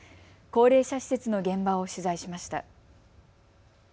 高齢者施設の現場を取材しました。